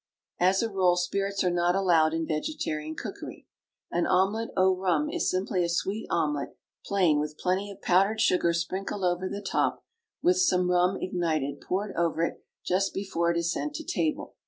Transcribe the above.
As a rule, spirits are not allowed in vegetarian cookery. An omelet au rhum is simply a sweet omelet, plain, with plenty of powdered sugar sprinkled over the top, with some rum ignited poured over it just before it is sent to table.